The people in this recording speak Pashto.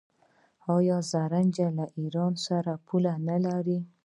آیا زرنج له ایران سره پوله نلري؟